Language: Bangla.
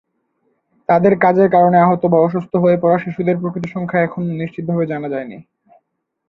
তাদের কাজের কারণে আহত বা অসুস্থ হয়ে পড়া শিশুদের প্রকৃত সংখ্যা এখনও নিশ্চিতভাবে জানা যায়নি।